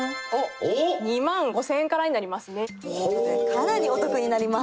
かなりお得になります。